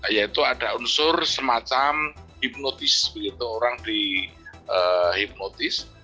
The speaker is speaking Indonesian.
yaitu ada unsur semacam hipnotis begitu orang di hipnotis